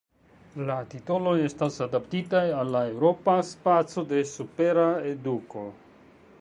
La titoloj estas adaptitaj al la Eŭropa Spaco de Supera Eduko.